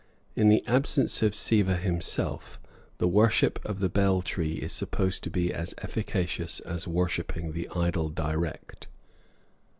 In the absence of Siva himself, the worship of the bel tree is supposed to be as efficacious as worshipping the idol direct.